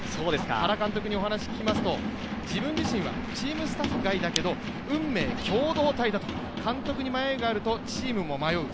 原監督に聞きますと自分自身はチームスタッフ外だけど運命共同体だと、監督に迷いがあるとチームも迷う。